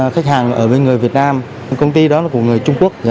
khách hàng ở bên người việt nam công ty đó là của người trung quốc